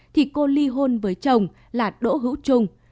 thì cô ly hôn với chồng là đỗ hữu trung